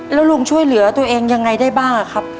แล้วลุงช่วยเหลือตัวเองยังไงได้บ้างครับ